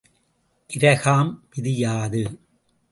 Graham விதி யாது?